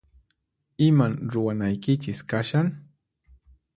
Iman ruwanaykichis kashan?